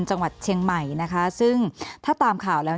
จังหวัดเชียงใหม่นะคะซึ่งถ้าตามข่าวแล้ว